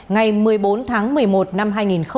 ngày một mươi bốn tháng một mươi một năm hai nghìn hai mươi hai